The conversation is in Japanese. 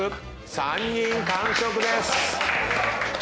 ３人完食です！